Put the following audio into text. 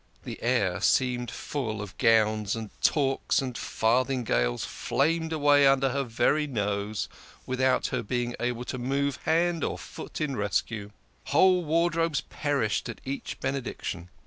The air seemed full of gowns and toques and farthin gales flaming away under her very nose, without her being able to move hand or foot in rescue ; whole wardrobes per ished at each Benediction.